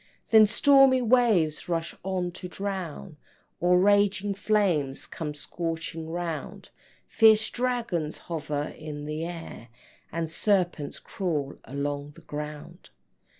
Then stormy waves rush on to drown, Or raging flames come scorching round, Fierce dragons hover in the air, And serpents crawl along the ground.